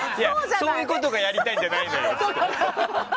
そういうことがやりたいんじゃないんだよって。